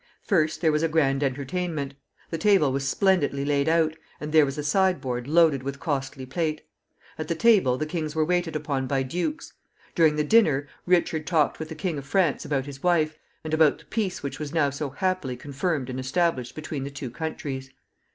First there was a grand entertainment. The table was splendidly laid out, and there was a sideboard loaded with costly plate. At the table the kings were waited upon by dukes. During the dinner, Richard talked with the King of France about his wife, and about the peace which was now so happily confirmed and established between the two countries.